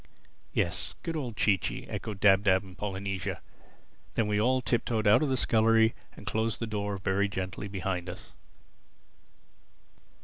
"Yes—good old Chee Chee!" echoed Dab Dab and Polynesia. Then we all tip toed out of the scullery and closed the door very gently behind us.